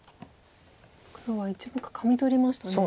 黒は１目カミ取りましたね。